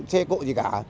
xe cộ gì cả